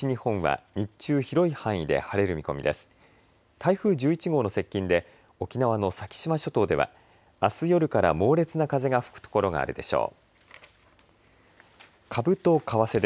台風１１号の接近で沖縄の先島諸島ではあす夜から猛烈な風が吹く所があるでしょう。